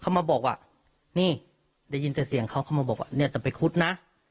เขามาบอกว่านี่ได้ยินแต่เสียงเขาเข้ามาบอกว่าเนี่ยจะไปคุดนะ